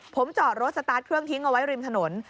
ผมจอดรถสตาร์ทเครื่องทิ้งเอาไว้ริมถนน